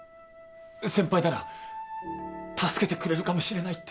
先輩なら助けてくれるかもしれないって。